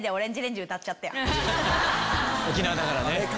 沖縄だからね。